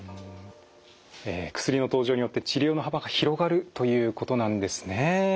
薬の登場によって治療の幅が広がるということなんですね。